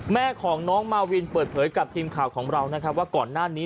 แม่ของน้องมาวินเปิดเผยกับทีมข่าวของเรานะครับว่าก่อนหน้านี้